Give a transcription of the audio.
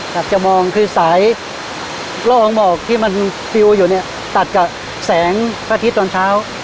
อยากจะมองคือสายล่อของหมอกที่มันปิวอยู่เนี่ยตัดกับแสงพระอาทิตย์ตอนเช้า